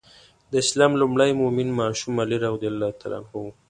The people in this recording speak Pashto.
د اسلام لومړی مؤمن ماشوم علي رض و.